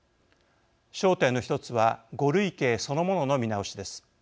焦点の１つは５類型そのものの見直しです。